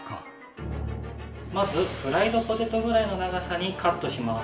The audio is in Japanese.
まずフライドポテトぐらいの長さにカットします。